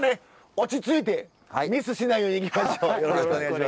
落ち着いてミスしないようにいきましょう。